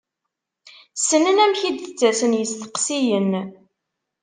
Ssnen amek i d-ttasen yisteqsiyen.